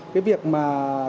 cái việc mà